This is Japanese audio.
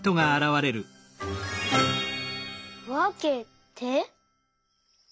「わけて」？